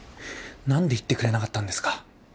何で言ってくれなかったんですか。